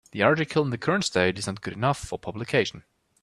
The article in the current state is not good enough for publication.